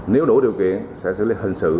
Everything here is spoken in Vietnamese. nếu đủ điều kiện sẽ xử lý hình sự